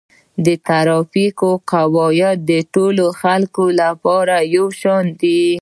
د ترافیک قواعد د ټولو خلکو لپاره یو شان دي.